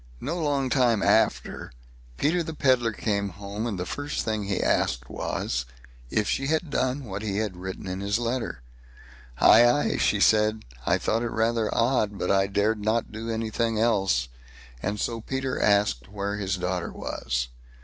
No long time after Peter the Pedlar came home, and the first thing he asked was, if she had done what he had written in his letter. "Aye! aye!" she said; "I thought it rather odd, but I dared not do anything else"; and so Peter asked where his daughter was.